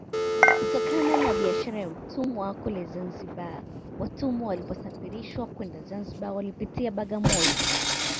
Kutokana na biashara ya utumwa kule Zanzibar watumwa waliposafirishwa kwenda Zanzibar walipitia Bagamoyo